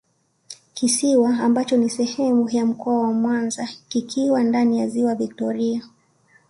kisiwa ambacho ni sehemu ya Mkoa wa Mwanza kikiwa ndani ya Ziwa Victoria